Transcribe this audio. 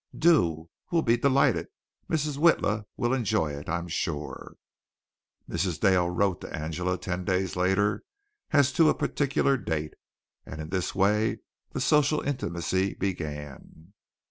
"Do. We'll be delighted. Mrs. Witla will enjoy it, I'm sure." Mrs. Dale wrote to Angela ten days later as to a particular date, and in this way the social intimacy began.